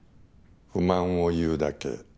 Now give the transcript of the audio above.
不満を言うだけ。